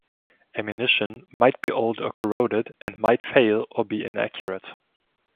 Ammunition might be old or corroded and might fail or be inaccurate.